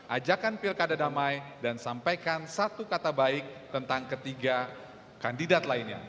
ajakan pilkada damai dan sampaikan satu kata baik tentang ketiga kandidat lainnya